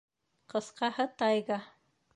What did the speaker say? Ҡыҫҡаһы, тайга...